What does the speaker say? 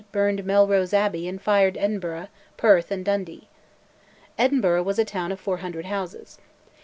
burned Melrose Abbey and fired Edinburgh, Perth, and Dundee. Edinburgh was a town of 400 houses.